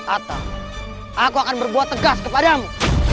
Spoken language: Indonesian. atau aku akan berbuat tegas kepadamu